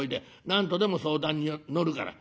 何度でも相談に乗るから。